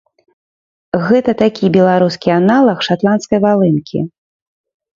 Гэта такі беларускі аналаг шатландскай валынкі.